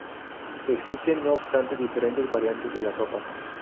Existen no obstante diferentes variantes de la sopa.